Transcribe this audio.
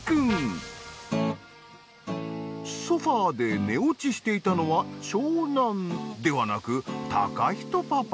ソファで寝落ちしていたのは長男ではなく貴仁パパ。